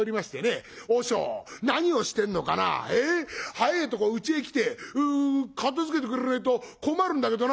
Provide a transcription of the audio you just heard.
早えとこうちへ来て片づけてくれねえと困るんだけどな」。